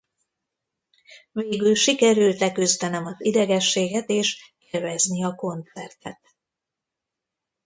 Végül sikerült leküzdenem az idegességet és élvezni a koncertet.